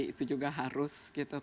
itu juga harus